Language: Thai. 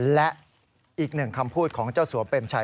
และอีกหนึ่งคำพูดของเจ้าสัวเปรมชัย